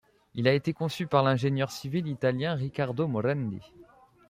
Il a été conçu par l’ingénieur civil italien Riccardo Morandi.